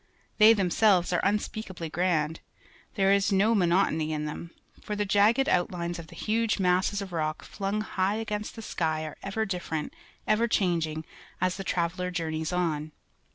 They themseh'es are unspeakably grand. There is no monotony in them, for the jagged outlines of the huge masses of rock flung liigh against the sky are e\'er different, ever changing, as the traveller journeys on.